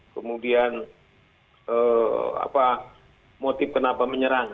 kemudian motif kenapa menyerang